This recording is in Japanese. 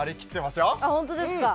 本当ですか。